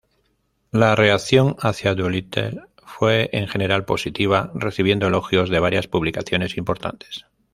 La reacción hacia "Doolittle" fue en general positiva, recibiendo elogios de varias publicaciones importantes.